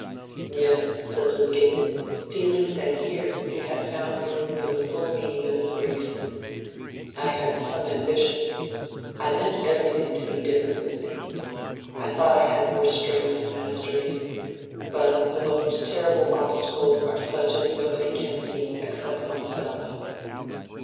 "Yes," said Lydgate, feeling that here he had found room for the full meaning of his grief. "I had some ambition. I meant everything to be different with me. I thought I had more strength and mastery. But the most terrible obstacles are such as nobody can see except oneself."